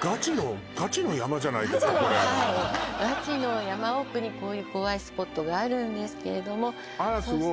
ガチのガチはいガチの山奥にこういう怖いスポットがあるんですけれどもあらすごい